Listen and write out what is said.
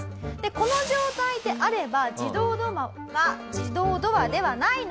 この状態であれば自動ドアが自動ドアではないのではい。